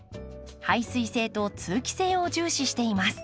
排水性と通気性を重視しています。